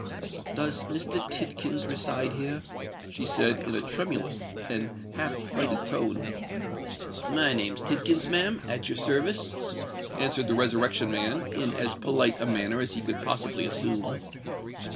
"Does Mr. Tidkins reside here?" she said, in a tremulous and half affrighted tone. "My name's Tidkins, ma'am—at your service," answered the Resurrection Man, in as polite a manner as he could possibly assume.